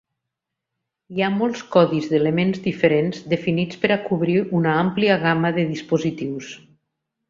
Hi ha molts codis d'elements diferents definits per a cobrir una àmplia gamma de dispositius.